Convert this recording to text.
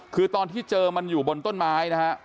คือตอนที่เจอมันอยู่บนต้นไม้นะฮะ